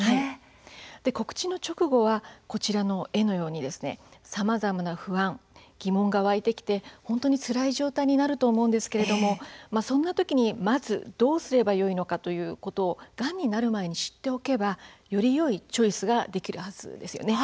告知の直後はこちらの絵のようにさまざまな不安疑問が湧いてきて本当につらい状態になると思うんですがそんな時にまず、どうすればよいのかがんになる前に知っておけばよりよいチョイスができるはずです。